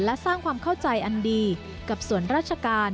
และสร้างความเข้าใจอันดีกับส่วนราชการ